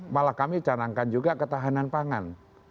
malah kami canangkan juga ketahanan pangan